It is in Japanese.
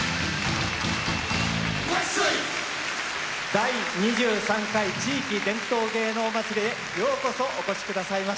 「第２３回地域伝統芸能まつり」へようこそお越し下さいました。